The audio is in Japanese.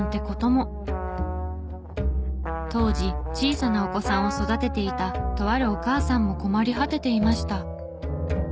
当時小さなお子さんを育てていたとあるお母さんも困り果てていました。